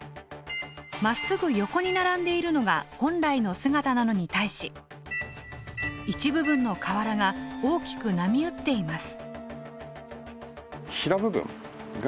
まっすぐ横に並んでいるのが本来の姿なのに対し一部分の瓦が大きく波打っています。